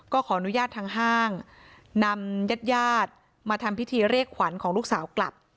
ขออนุญาตทางห้างนำญาติญาติมาทำพิธีเรียกขวัญของลูกสาวกลับ